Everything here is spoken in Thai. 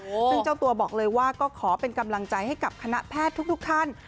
ซึ่งเจ้าตัวบอกเลยว่าก็ขอเป็นกำลังใจให้กับคณะแพทย์ทุกท่าน